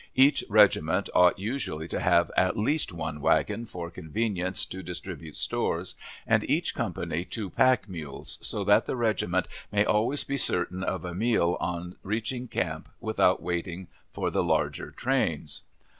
Each regiment ought usually to have at least one wagon for convenience to distribute stores, and each company two pack mules, so that the regiment may always be certain of a meal on reaching camp without waiting for the larger trains.